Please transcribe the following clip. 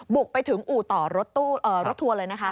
บุกไปถึงอู่ต่อรถทัวร์เลยนะคะ